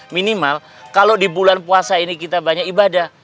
minimal kalau di bulan puasa ini kita banyak ibadah